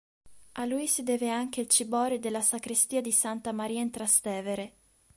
A lui si deve anche il ciborio della sacrestia di Santa Maria in Trastevere.